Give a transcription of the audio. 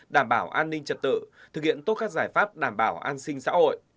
đảm bảo an ninh trật tự thực hiện tốt các giải pháp đảm bảo an sinh xã hội